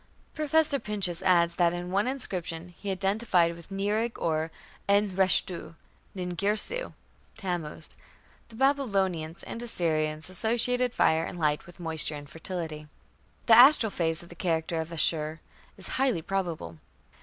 Professor Pinches adds that in one inscription "he is identified with Nirig or En reshtu" (Nin Girsu = Tammuz). The Babylonians and Assyrians associated fire and light with moisture and fertility. The astral phase of the character of Ashur is highly probable.